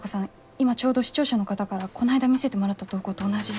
今ちょうど視聴者の方からこないだ見せてもらった投稿と同じ。